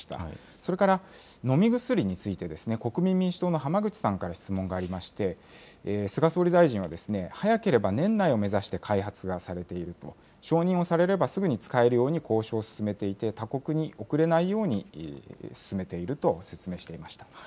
それから、飲み薬について、国民民主党の浜口さんから質問がありまして、菅総理大臣は、早ければ年内を目指して開発がされていると、承認をされればすぐに使えるように交渉を進めていて、他国に遅れないように進めていると説明していました。